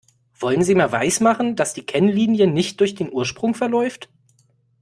Wollen Sie mir weismachen, dass die Kennlinie nicht durch den Ursprung verläuft?